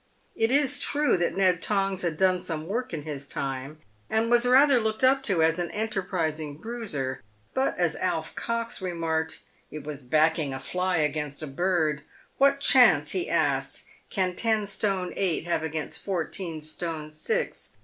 It is true that Ned Tongs had done some work in his time, and was rather looked up to as an enterprising bruiser ; but, as Alf Cox remarked, " It was backing a fly against a bird. "What chance," he asked, " can ten stone eight have against fourteen stone six